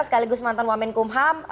sekaligus mantan wamen kumham